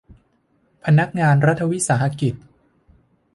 พนักงานรัฐวิสาหกิจ